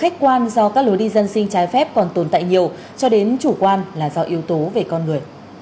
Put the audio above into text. đã đến từ nhiều nguyên nhân từ khách quan do các lối đi dân sinh trái phép còn tồn tại nhiều cho đến chủ quan là do yếu tố về con người